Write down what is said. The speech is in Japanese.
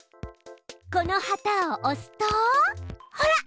この旗を押すとほら！